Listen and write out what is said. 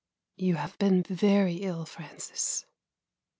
" You have been very ill, Francis."